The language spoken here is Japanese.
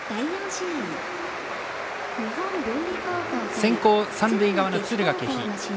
先攻、三塁側の敦賀気比。